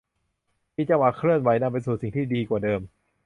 มีจังหวะเคลื่อนไหวนำไปสู่สิ่งที่ดีกว่าเดิม